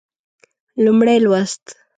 لومړی لوست